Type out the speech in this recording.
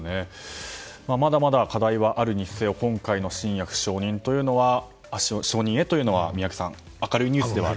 まだまだ課題はあるにせよ今回の新薬承認へというのは宮家さん明るいニュースではある。